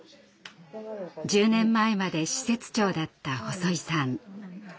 １０年前まで施設長だった細井さん。